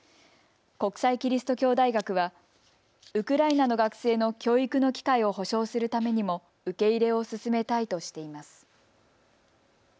国際基督教大学はウクライナの学生の教育の機会を保障するためにも受け入れを進めたいとしています。